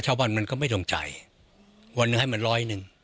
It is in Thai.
ชาวบ้านมันก็ไม่ตรงใจวันหนึ่งให้มันร้อยหนึ่ง